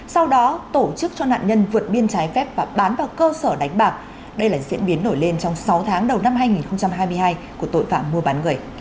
sau đó tổ chức cho nạn nhân vượt biên trái phép và bán vào cơ sở đánh bạc đây là diễn biến nổi lên trong sáu tháng đầu năm hai nghìn hai mươi hai của tội phạm mua bán người